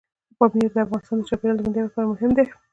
پامیر د افغانستان د چاپیریال د مدیریت لپاره مهم دی.